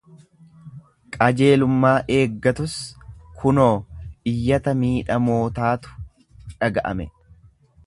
Qajeelummaa eeggatus kunoo iyyata miidhamootaatu dhaga'ame.